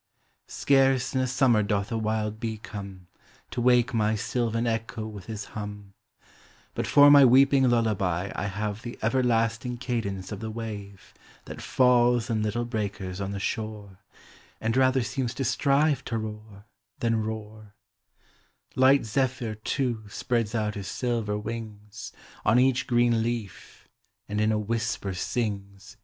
Scarce in a summer doth a wild bee come To wake my sylvan echo with his hum: But for my weeping lullaby I have The everlasting cadence of the wave That falls in little breakers on the shore, And rather seems to strive to roar â than roar; Light Zephyr, too, spreads out his silver wings On each green leaf, and in a whisper sings 172 POEMS.